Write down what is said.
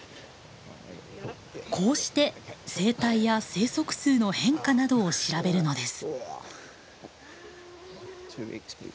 こうして生態や生息数の変化などを調べるのです。